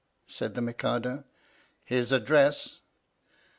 said the Mikado. " His address?"